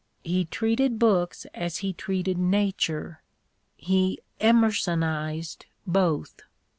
He treated books as he treated Nature, he Emersonised both.